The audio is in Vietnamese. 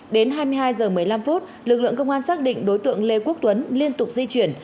đến hai mươi hai h một mươi năm phút lực lượng công an xác định đối tượng lê quốc tuấn liên tục di chuyển